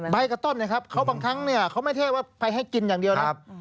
ใบกับต้นนะครับเขาบางครั้งไม่ได้ให้กินอย่างเดียว